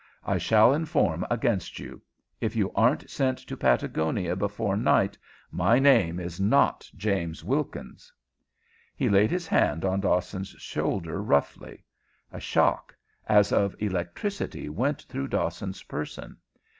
I shall inform against you. If you aren't sent to Patagonia before night, my name is not James Wilkins." He laid his hand on Dawson's shoulder roughly. A shock, as of electricity, went through Dawson's person.